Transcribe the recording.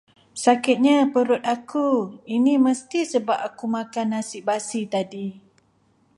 Sakitnya perut aku, ini mesti sebab aku makan nasi basi tadi.